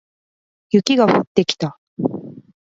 雪が降ってきた